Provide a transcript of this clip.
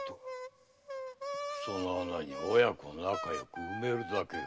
その穴に親子仲よく埋めるだけよ。